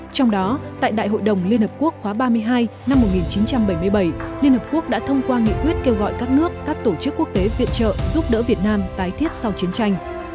trong đó tại đại hội đồng liên hợp quốc khóa ba mươi hai năm một nghìn chín trăm bảy mươi bảy liên hợp quốc đã thông qua nghị quyết kêu gọi các nước các tổ chức quốc tế viện trợ giúp đỡ việt nam tái thiết sau chiến tranh